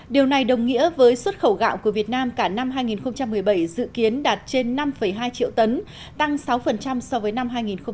điều này đồng nghĩa với xuất khẩu gạo của việt nam cả năm hai nghìn một mươi bảy dự kiến đạt trên năm hai triệu tấn tăng sáu so với năm hai nghìn một mươi bảy